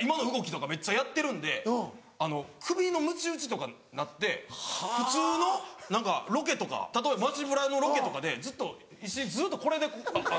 今の動きとかめっちゃやってるんで首のむち打ちとかになって普通の何かロケとか例えば街ブラのロケとかでずっと石井ずっとこれでやってるんです。